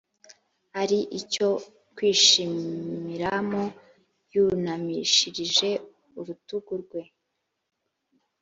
ari icyo kwishimiramo yunamishirije urutugu rwe